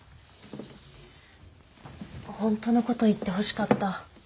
本当のこと言ってほしかった。